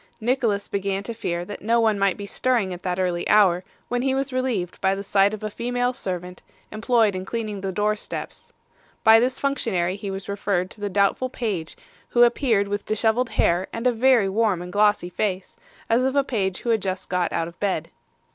Nicholas began to fear that no one might be stirring at that early hour, when he was relieved by the sight of a female servant, employed in cleaning the door steps. By this functionary he was referred to the doubtful page, who appeared with dishevelled hair and a very warm and glossy face, as of a page who had just got out of bed.